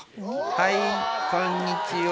はいこんにちは。